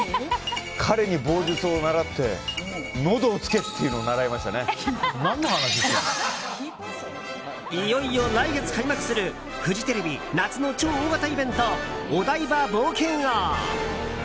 彼に棒術を習ってのどを突けっていうのをいよいよ来月開幕するフジテレビ夏の超大型イベントお台場冒険王。